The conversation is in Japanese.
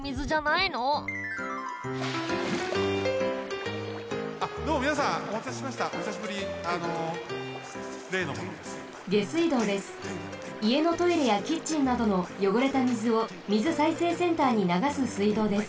いえのトイレやキッチンなどのよごれたみずをみずさいせいセンターにながすすいどうです。